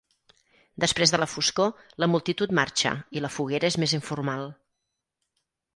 Després de la foscor, la multitud marxa i la foguera és més informal.